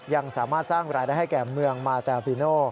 ยังสามารถสร้างรายได้ให้แก่เมืองมาแต่บิโน